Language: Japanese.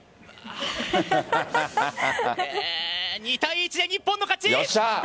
２対１で日本の勝ち！